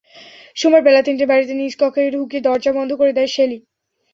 সোমবার বেলা তিনটায় বাড়িতে নিজ কক্ষে ঢুকে দরজা বন্ধ করে দেয় শেলী।